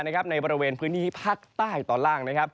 ในบริเวณพื้นที่ภาคใต้ตอนล่าง